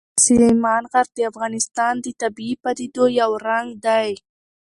سلیمان غر د افغانستان د طبیعي پدیدو یو رنګ دی.